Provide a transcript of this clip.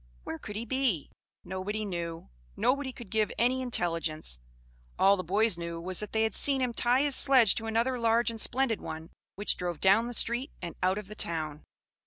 Where could he be? Nobody knew; nobody could give any intelligence. All the boys knew was, that they had seen him tie his sledge to another large and splendid one, which drove down the street and out of the town.